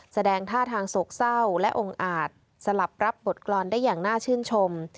แสดงท่าทางโศกเศร้าและองค์อาจสลับรับบทกรรมได้อย่างน่าชื่นชม